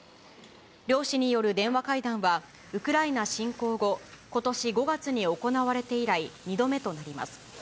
両氏による電話会談は、ウクライナ侵攻後、ことし５月に行われて以来、２度目となります。